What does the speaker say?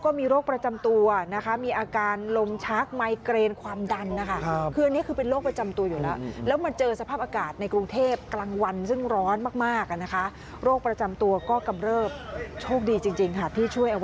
ก็มีการประสานรถกู้ชีพ